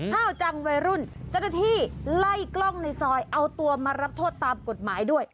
ห้าวจังวัยรุ่นเจ้าหน้าที่ไล่กล้องในซอยเอาตัวมารับโทษตามกฎหมายด้วย